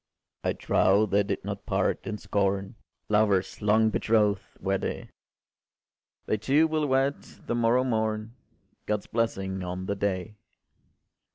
I trow they did not part in scorn: Lovers long betroth’d were they: They two will wed the morrow morn! God’s blessing on the day!